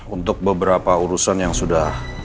untuk beberapa urusan yang sudah